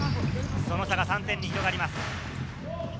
その差が３点に広がります。